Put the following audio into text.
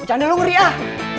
pucanda lu ngeriah